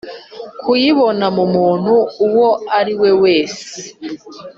kuyibona mu muntu uwo ari we wese